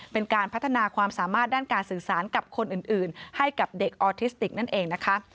เป็นการพัฒนาความสามารถด้านการสื่อสารกับคนอื่นให้กับเด็กออทิสติกนั่นเองนะคะ